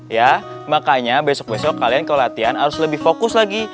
ya makanya besok besok kalian kalau latihan harus lebih fokus lagi